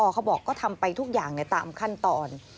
เขาบอกก็ทำไปทุกอย่างในตามขั้นตอน